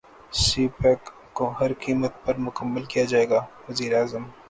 سی pack کو ہر قیمت پر مکمل کیا جائے گا وزیراعظم